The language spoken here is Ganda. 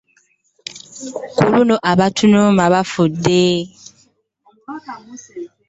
Ku luno abatunyooma bafudde!